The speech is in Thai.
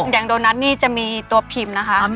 แดงโดนัทนี่จะมีตัวพิมพ์นะคะ